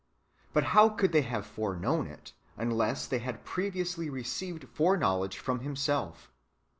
But how could they have foreknown it, unless they had previously received foreknowledge from Himself